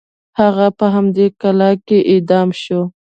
هغه په همدې کلا کې اعدام شو.